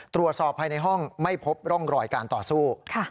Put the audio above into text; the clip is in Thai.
ตรวจสอบภายในห้องไม่พบร่องรอยการต่อสู้